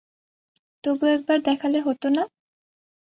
তবু একবার দেখালে হত না?